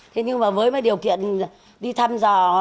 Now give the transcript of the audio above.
thế nhưng mà với điều kiện đi thăm